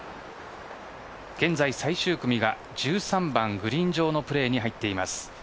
現在、最終組が１３番グリーン上のプレーに入っています。